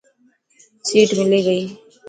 سيٽ ملي گئي؟